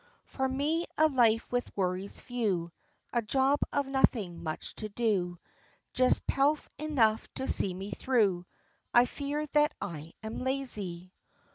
For me, a life with worries few, A job of nothing much to do, Just pelf enough to see me through: I fear that I am lazy.